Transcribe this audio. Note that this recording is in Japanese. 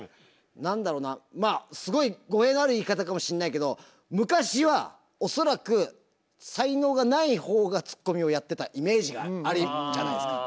何だろなまあすごい語弊のある言い方かもしんないけど昔は恐らく才能がないほうがツッコミをやってたイメージがあるじゃないですか。